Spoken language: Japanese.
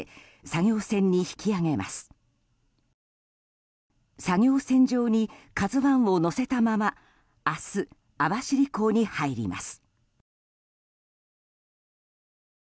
作業船上に「ＫＡＺＵ１」を載せたまま明日、網走港に入ります。